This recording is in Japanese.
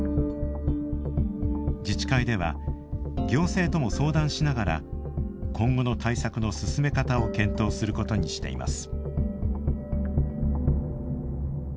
自治会では行政とも相談しながら今後の対策の進め方を検討することにしています。